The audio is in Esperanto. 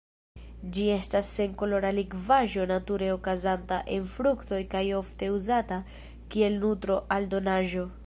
Ĝi estas senkolora likvaĵo nature okazanta en fruktoj kaj ofte uzata kiel nutro-aldonaĵo.